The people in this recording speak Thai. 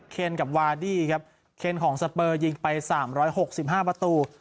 เคนกับวาดี้ครับเคนของสเปอร์ยิงไปสามร้อยหกสิบห้าประตู